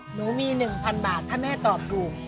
หนูมี๑๐๐๐บาทถ้าแม่ตอบถูก